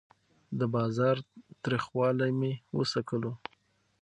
د بازار تریخوالی مې وڅکلو.